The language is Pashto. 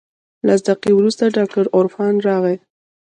لس دقيقې وروسته ډاکتر عرفان راغى.